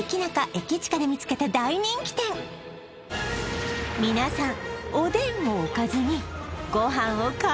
駅チカで見つけた大人気店皆さん